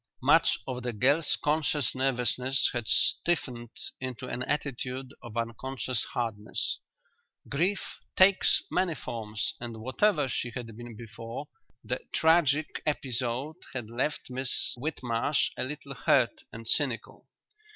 Much of the girl's conscious nervousness had stiffened into an attitude of unconscious hardness. Grief takes many forms, and whatever she had been before, the tragic episode had left Miss Whitmarsh a little hurt and cynical.